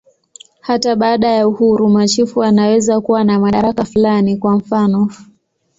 Hata baada ya uhuru, machifu wanaweza kuwa na madaraka fulani, kwa mfanof.